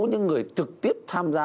những người trực tiếp tham gia